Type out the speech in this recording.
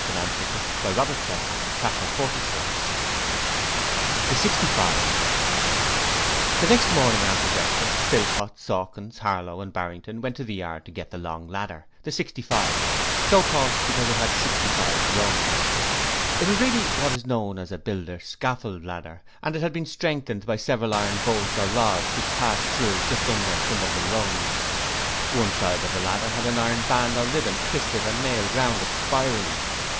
Philpot looked up at the gable. It was very high. Chapter 46 The 'Sixty five' The next morning after breakfast, Philpot, Sawkins, Harlow and Barrington went to the Yard to get the long ladder the 65 so called because it had sixty five rungs. It was really what is known as a builder's scaffold ladder, and it had been strengthened by several iron bolts or rods which passed through just under some of the rungs. One side of the ladder had an iron band or ribbon twisted and nailed round it spirally.